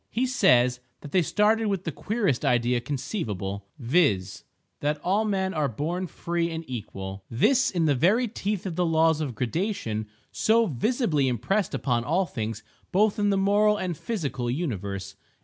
He says that they started with the queerest idea conceivable, viz: that all men are born free and equal—this in the very teeth of the laws of gradation so visibly impressed upon all things both in the moral and physical universe.